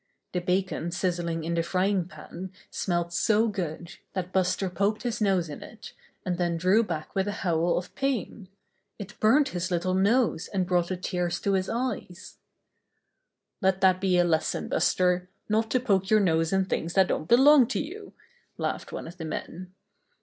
The bacon siz zling in the frying pan smelt so good that Buster poked his nose in it, and then drew back with a howl of pain. It burnt his little nose and brought the tears to his eyes. Buster is Carried Away by the Men 37 "Let that be a lesson, Buster, not to poke your nose in things that don't belong to you," laughed one of the men.